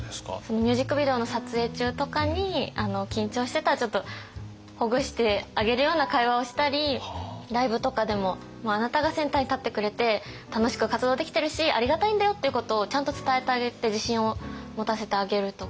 ミュージックビデオの撮影中とかに緊張してたらちょっとほぐしてあげるような会話をしたりライブとかでも「あなたがセンターに立ってくれて楽しく活動できてるしありがたいんだよ」っていうことをちゃんと伝えてあげて自信を持たせてあげるとか。